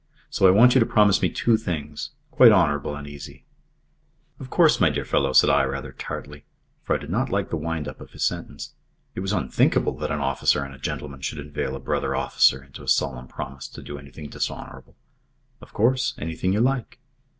So I want you to promise me two things quite honourable and easy." "Of course, my dear fellow," said I rather tartly, for I did not like the wind up of his sentence. It was unthinkable that an officer and a gentleman should inveigle a brother officer into a solemn promise to do anything dishonourable. "Of course. Anything you like."